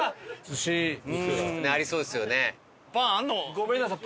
ごめんなさい。